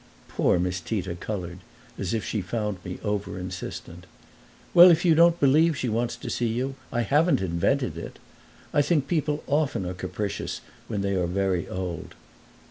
Poor Miss Tita colored, as if she found me over insistent. "Well, if you don't believe she wants to see you I haven't invented it! I think people often are capricious when they are very old."